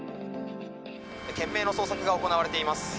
懸命の捜索が行われています。